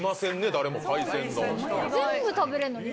誰も海鮮丼。